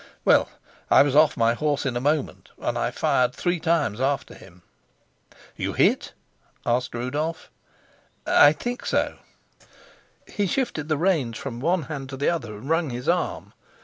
Well, I was off my horse in a moment, and I fired three times after him." "You hit?" asked Rudolf. "I think so. He shifted the reins from one hand to the other and wrung his arm.